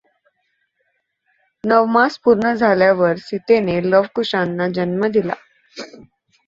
नवमास पूर्ण झाल्यावर सीतेने लव कुशाना जन्म दिला.